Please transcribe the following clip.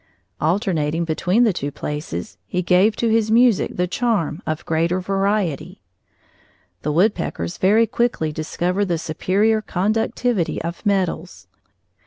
Alternating between the two places, he gave to his music the charm of greater variety. The woodpeckers very quickly discover the superior conductivity of metals.